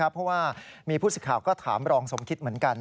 เพราะว่ามีผู้สักข่าวก็ถามรองสมศิษย์เหมือนกัน